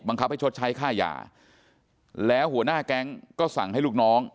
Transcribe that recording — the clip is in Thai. ให้ชดใช้ค่ายาแล้วหัวหน้าแก๊งก็สั่งให้ลูกน้อง